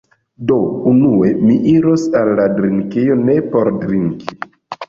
Do, unue mi iros al la drinkejo ne por drinki